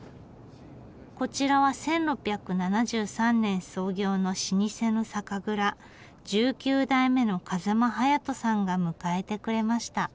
こちらは１６７３年創業の老舗の酒蔵十九代目の風間勇人さんが迎えてくれました。